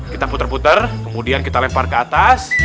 kita putar putar kemudian kita lempar ke atas